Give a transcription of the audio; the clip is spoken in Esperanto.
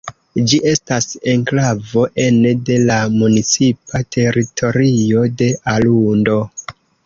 Ĝi estas enklavo ene de la municipa teritorio de Arundo.